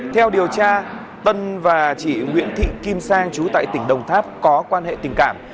theo điều tra tân và chị nguyễn thị kim sang trú tại tỉnh đồng tháp có quan hệ tình cảm